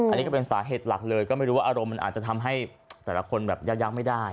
อันนี้ก็เป็นสาเหตุหลักเลยก็ไม่รู้ว่าอารมณ์มันอาจจะทำให้แต่ละคนแบบยากไม่ได้